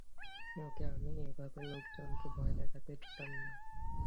ওকে আমি এভাবে লোকজনকে ভয় দেখাতে দিতাম না।